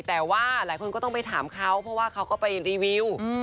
แต่ว่าหลายคนก็ต้องไปถามเขาเพราะว่าเขาก็ไปรีวิว